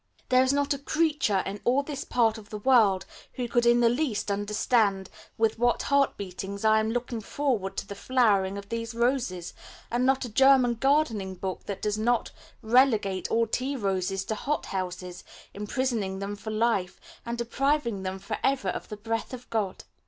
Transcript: There is not a creature in all this part of the world who could in the least understand with what heart beatings I am looking forward to the flowering of these roses, and not a German gardening book that does not relegate all tea roses to hot houses, imprisoning them for life, and depriving them for ever of the breath of God.